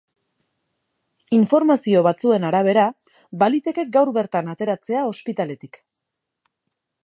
Informazio batzuen arabera, baliteke gaur bertan ateratzea ospitaletik.